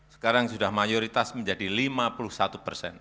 sekarang sudah mayoritas menjadi lima puluh satu persen